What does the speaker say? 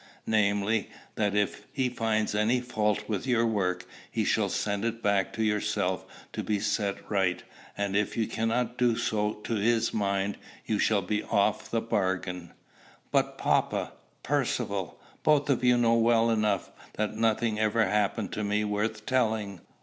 namely, that, if he finds any fault with your work, he shall send it back to yourself to be set right, and, if you cannot do so to his mind, you shall be off the bargain." "But papa, Percivale, both of you know well enough that nothing ever happened to me worth telling."